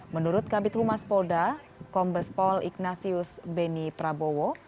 menurut kabupaten humas polda kombespol ignasius beni prabowo